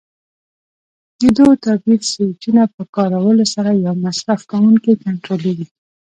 د دوو تبدیل سویچونو په کارولو سره یو مصرف کوونکی کنټرولېږي.